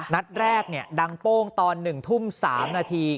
นัดแรกดังโป้งตอน๑ทุ่ม๓นาที